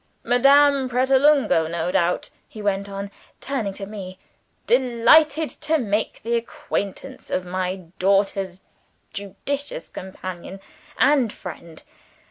"Madame Pratolungo, no doubt?" he went on, turning to me. "Delighted to make the acquaintance of my daughter's judicious companion and friend.